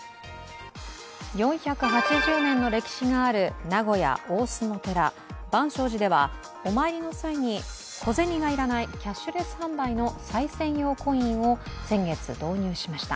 ４８０年の歴史がある名古屋の万松寺では、お参りの際に小銭がいらないキャッシュレス販売のさい銭用コインを先月導入しました。